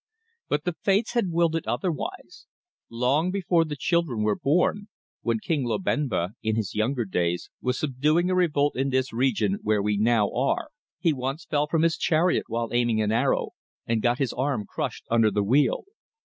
But the fates had willed it otherwise. Long before the children were born, when King Lobenba, in his younger days, was subduing a revolt in this region where we now are he once fell from his chariot while aiming an arrow, and got his arm crushed under the wheel.